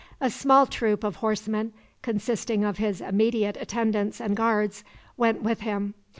A small troop of horsemen, consisting of his immediate attendants and guards, went with him.